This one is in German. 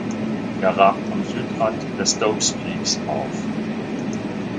Er ragt am Südrand der Stokes Peaks auf.